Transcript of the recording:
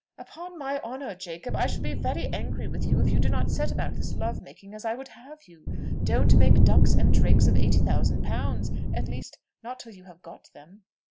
"Upon my honour, Jacob, I shall be very angry with you if you do not set about this love making as I would have you. Don't make ducks and drakes of eighty thousand pounds: at least, not till you have got them."